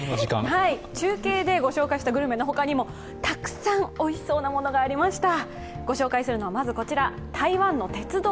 中継でご紹介したグルメのほかにもたくさんおいしそうなものがありました。